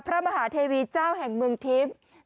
พระมหาเทวีเจ้าแห่งเมืองทิพย์